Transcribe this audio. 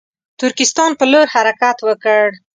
ترکستان پر لور حرکت وکړ.